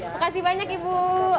makasih banyak ibu